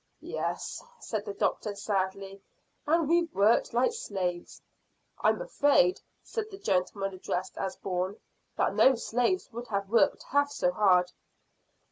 "Yes," said the doctor sadly; "and we've worked like slaves." "I'm afraid," said the gentleman addressed as Bourne, "that no slaves would have worked half so hard."